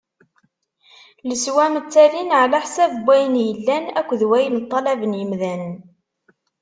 Leswam ttalin ɛla ḥsab n wayen yellan akked wayen ṭṭalaben yimdanen.